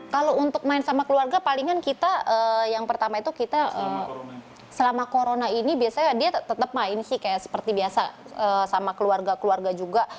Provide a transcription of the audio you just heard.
kalau untuk main sama keluarga palingan kita yang pertama itu kita selama corona ini biasanya dia tetap main sih kayak seperti biasa sama keluarga keluarga juga